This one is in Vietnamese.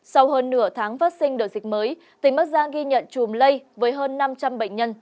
sau hơn nửa tháng phát sinh đợt dịch mới tỉnh bắc giang ghi nhận chùm lây với hơn năm trăm linh bệnh nhân